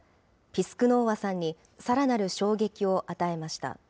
ピスクノーワさんにさらなる衝撃を与えました。